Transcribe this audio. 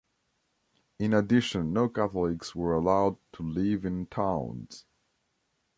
In addition, no Catholics were allowed to live in towns.